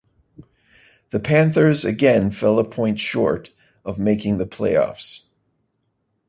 The Panthers again fell a point short of making the playoffs.